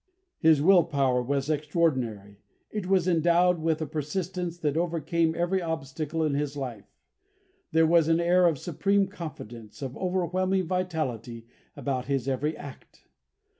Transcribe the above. His will power was extraordinary; it was endowed with a persistence that overcame every obstacle of his life; there was an air of supreme confidence, of overwhelming vitality, about his every act.